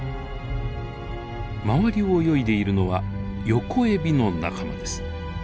周りを泳いでいるのはヨコエビの仲間です。